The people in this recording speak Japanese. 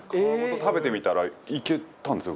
食べてみたら、いけたんですよ